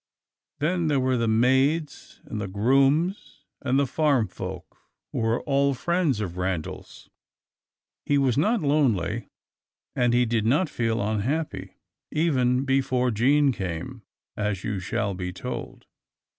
Then there were the maids, and the grooms, and the farm folk, who were all friends of Randal's. He was not lonely, and he did not feel unhappy, even before Jean came, as you shall be told.